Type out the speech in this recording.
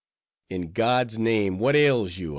"In God's name, what ails you?"